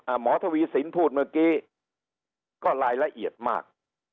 หมอทวีสินพูดเมื่อกี้ก็รายละเอียดมาก